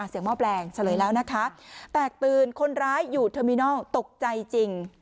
หม้อแปลงเฉลยแล้วนะคะแตกตื่นคนร้ายอยู่เทอร์มินัลตกใจจริง